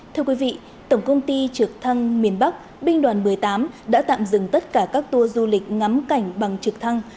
thưa quý vị tổng công ty trực thăng miền bắc binh đoàn một mươi tám đã tạm dừng tất cả các tour du lịch ngắm cảnh bằng trực thăng